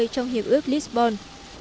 trong hiệp ước lisbon